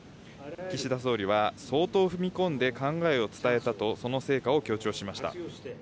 岸田総理は相当踏み込んで考えを伝えたと、その成果を強調しました。